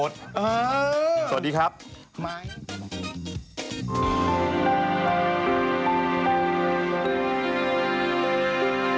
สวัสดีครับสวัสดีครับ